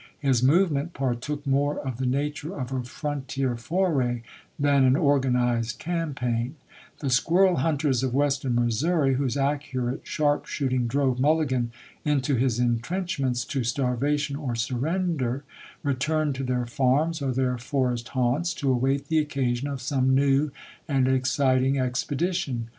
His movement partook more of the nature of a frontier foray than an organized campaign: the squirrel hunters of western Missouri, whose accurate sharp shooting drove Mulligan into his intrenchments to starvation or surrender, returned to their farms or their forest haunts to await the occasion of some new and exciting expedition.